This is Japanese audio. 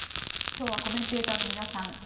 今日はコメンテーターの皆さん